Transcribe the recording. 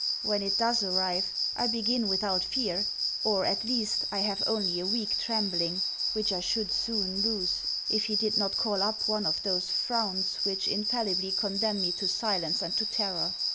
When it does arrive, I begin without fear; or, at least, I have only a weak trembling, which I should soon lose, if he did not call up one of those frowns which infallibly condemn me to silence and to terror.